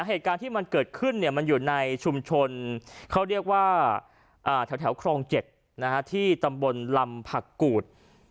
เหตุการณ์ที่มันเกิดขึ้นมันอยู่ในชุมชนเขาเรียกว่าแถวครอง๗ที่ตำบลลำผักกูด